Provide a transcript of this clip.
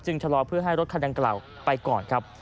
ชะลอเพื่อให้รถคันดังกล่าวไปก่อนครับ